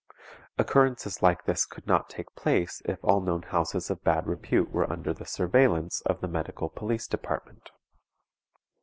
Occurrences like this could not take place if all known houses of bad repute were under the surveillance of the Medical Police Department.